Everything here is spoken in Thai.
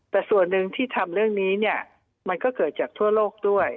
แต่ส่วนหนึ่งที่ทำเรื่องนี้เนี่ยมันก็เกิดจากทั่วโลกด้วย